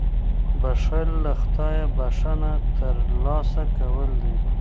• بښل له خدایه بښنه ترلاسه کول دي.